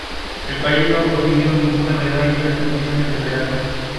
Es el primer episodio de la famosa serie Hannah Montana.